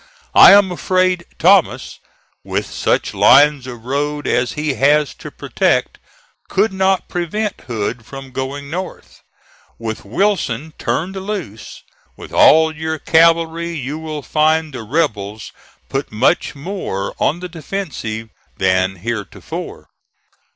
I am afraid Thomas, with such lines of road as he has to protect, could not prevent Hood from going north. With Wilson turned loose, with all your cavalry, you will find the rebels put much more on the defensive than heretofore.